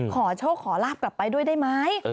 ขอโชคขอลาบกลับไปด้วยได้ไหม